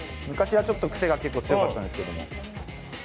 昔はちょっと癖が強かったんですけども。